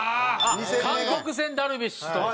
韓国戦ダルビッシュ投手。